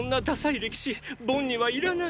歴史ボンにはいらない。